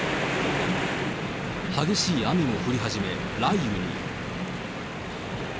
激しい雨も降り始め、雷雨に。